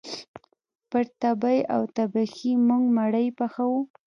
پر تبۍ او تبخي موږ مړۍ پخوو